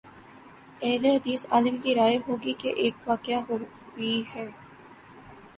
اہل حدیث عالم کی رائے ہو گی کہ ایک واقع ہوئی ہے۔